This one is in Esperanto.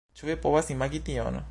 Ĉu vi povas imagi tion?